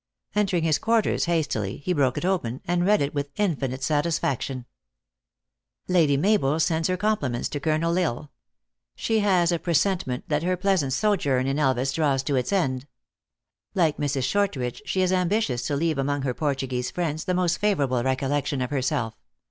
Entering his quarters hastily, he broke it open, and read it with infinite satisfaction. (Lady Mabel Stewart sends her compliments to Col. L Isle. She has a presentment that her pleasant so journ in Elvas draws to its end. Like Mrs. Short ridge, she is ambitious to leave among her Portu guese friends, the most favorable recollection of her self.